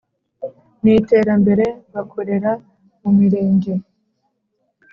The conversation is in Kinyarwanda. mu iterambere bakorera mu mirenge